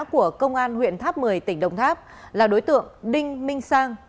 của công an huyện tháp một mươi tỉnh đồng tháp là đối tượng đinh minh sang